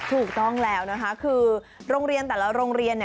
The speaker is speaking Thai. ถูกต้องแล้วนะคะคือโรงเรียนแต่ละโรงเรียน